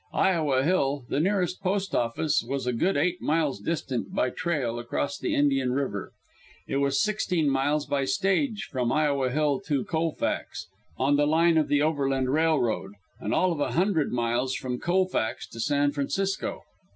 Iowa Hill, the nearest post office, was a good eight miles distant, by trail, across the Indian River. It was sixteen miles by stage from Iowa Hill to Colfax, on the line of the Overland Railroad, and all of a hundred miles from Colfax to San Francisco.